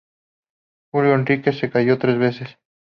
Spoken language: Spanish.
Julio Enrique se casó tres veces.